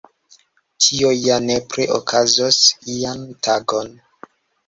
Tio ja nepre okazos ian tagon.